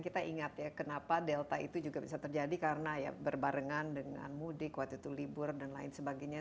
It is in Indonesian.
kita ingat ya kenapa delta itu juga bisa terjadi karena ya berbarengan dengan mudik waktu itu libur dan lain sebagainya